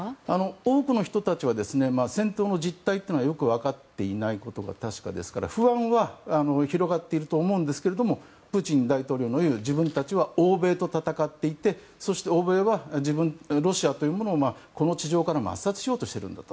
多くの人たちは戦闘の実態というのがよく分かっていないことは確かですから不安は広がっていると思いますがプーチン大統領の言う自分たちは欧米と戦っていてそして、欧米はロシアというものを地上から抹殺しようとしていると。